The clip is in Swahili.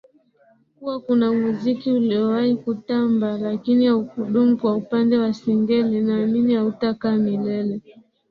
Kuwa kuna muziki uliowahi kutamba lakini haukudumu Kwa upande wa Singeli naamini hautakaa milele